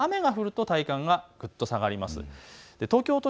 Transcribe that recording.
雨が降ると体感がぐっと下がります。